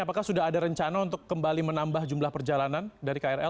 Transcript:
apakah sudah ada rencana untuk kembali menambah jumlah perjalanan dari krl